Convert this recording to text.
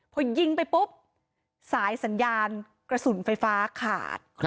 พอยิงไปปุ๊บสายสัญญาณกระสุนไฟฟ้าขาด